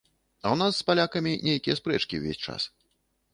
А ў нас з палякамі нейкія спрэчкі ўвесь час.